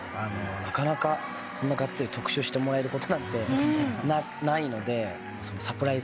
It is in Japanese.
なかなかこんながっつり特集してもらえることなんてないので。